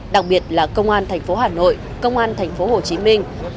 đặc biệt là công an tp hà nội công an tp hồ chí minh